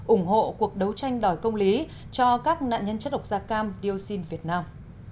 ủng hộ cuộc đấu tranh đòi công lý cho các nạn nhân chất độc da cam dioxin việt nam